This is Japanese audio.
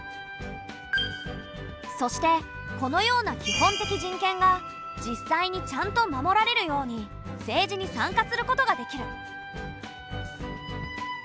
そしてこのような基本的人権が実際にちゃんと守られるように政治に参加することができる。